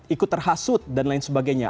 ikut terhasut dan lain sebagainya